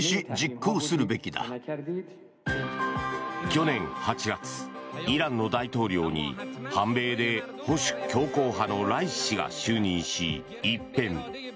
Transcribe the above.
去年８月、イランの大統領に反米で保守強硬派のライシ師が就任し、一変。